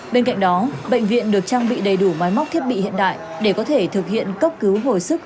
bên cạnh đó bệnh viện được trang bị đầy đủ máy móc thiết bị hiện đại để có thể thực hiện cấp cứu hồi sức